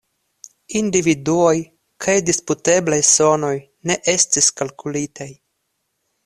Individuaj kaj disputeblaj sonoj ne estis kalkulitaj.